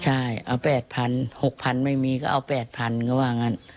ใช่เอา๘๐๐๖๐๐ไม่มีก็เอา๘๐๐๐ก็ว่างั้น